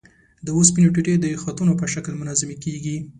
د اوسپنې ټوټې د خطونو په شکل منظمې کیږي.